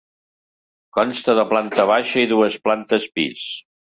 Consta de planta baixa i dues plantes pis.